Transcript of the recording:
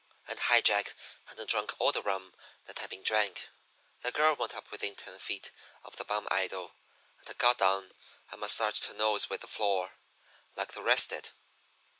And High Jack hadn't drunk all the rum that had been drank. "The girl went up within ten feet of the bum idol, and got down and massaged her nose with the floor, like the rest did.